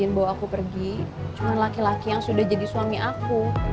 ingin bawa aku pergi cuma laki laki yang sudah jadi suami aku